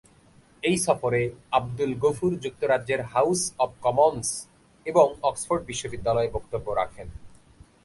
এই সফরে আবদুল-গফুর যুক্তরাজ্যের হাউস অব কমন্স এবং অক্সফোর্ড বিশ্ববিদ্যালয়ে বক্তব্য রাখেন।